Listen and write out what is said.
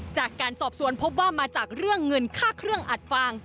จากการสอบสวนพบว่ามาจากเรื่องเงินค่าเครื่องอัดฟาง